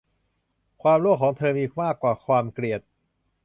ความโลภของเธอมีมากกว่าความเกลียด